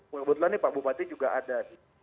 kebetulan nih pak bupati juga ada